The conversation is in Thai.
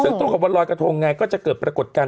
สิ่งตรงว่าวันลอยกฐงไงก็จะเกิดปรากฏการณ์